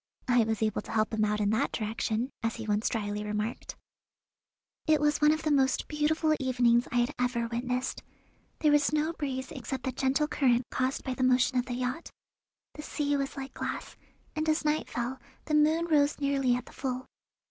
I was able to help him out in that direction, as he once drily remarked. It was one of the most beautiful evenings I had ever witnessed. There was no breeze except the gentle current caused by the motion of the yacht. The sea was like glass, and as night fell the moon rose nearly at the full.